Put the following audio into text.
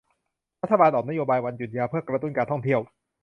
รัฐบาลออกนโยบายวันหยุดยาวเพื่อกระตุ้นการท่องเที่ยว